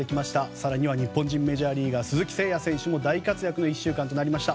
更には日本人メジャーリーガー鈴木誠也選手も大活躍の１週間となりました。